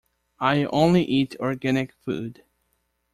I only eat organic food.